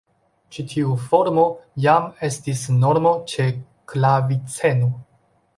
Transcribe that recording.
Ĉi tiu formo jam estis normo ĉe klaviceno.